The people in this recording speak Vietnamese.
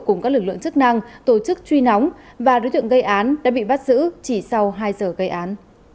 cùng các lực lượng chức năng tổ chức truy nóng và đối tượng gây án đã bị bắt giữ chỉ sau hai giờ gây án